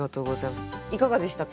いかがでしたか？